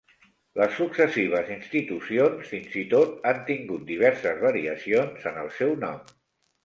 Les successives institucions fins i tot han tingut diverses variacions en el seu nom.